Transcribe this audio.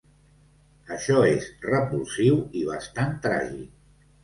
Això és repulsiu i bastant tràgic.